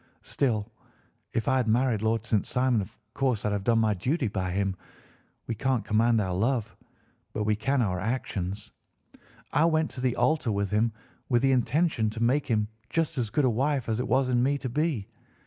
"Still, if I had married Lord St. Simon, of course I'd have done my duty by him. We can't command our love, but we can our actions. I went to the altar with him with the intention to make him just as good a wife as it was in me to be.